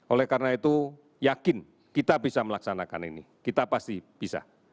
oleh karena itu yakin kita bisa melaksanakan ini kita pasti bisa